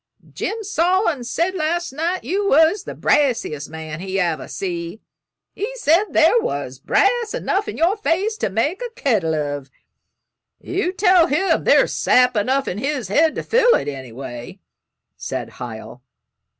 Jim Sawin said last night you was the brassiest man he ever see. He said there was brass enough in your face to make a kettle of." "You tell him there's sap enough in his head to fill it, anyway," said Hiel.